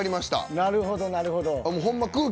なるほどなるほど。